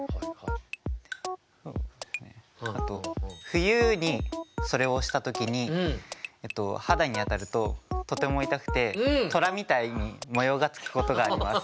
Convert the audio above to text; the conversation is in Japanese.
冬にそれをした時に肌に当たるととても痛くてトラみたいに模様がつくことがあります。